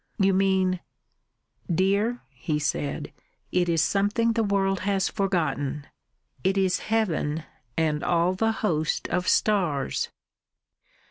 "You mean...?" "Dear," he said, "it is something the world has forgotten. It is Heaven and all the host of stars."